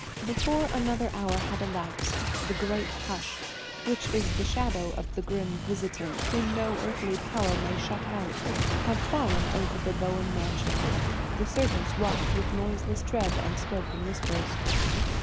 Before another hour had elapsed, the great hush–which is the shadow of the grim visitant, whom no earthly power may shut out–had fallen on the Bowen mansion. The servants walked with noiseless tread and spoke in whispers.